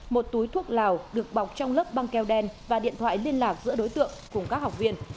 một túi thuốc lào được bọc trong lớp băng keo đen và điện thoại liên lạc giữa đối tượng cùng các học viên